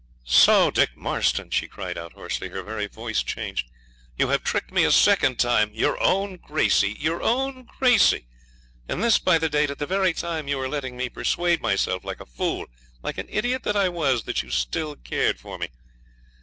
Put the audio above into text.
'So, Dick Marston,' she cried out hoarsely, her very voice changed, 'you have tricked me a second time! Your own Gracey! your own Gracey! and this, by the date, at the very time you were letting me persuade myself, like a fool, like an idiot that I was, that you still care for me!